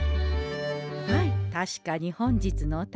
はい確かに本日のお宝